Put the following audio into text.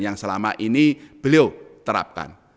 yang selama ini beliau terapkan